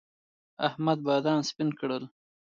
احمد بادام سپين کړل.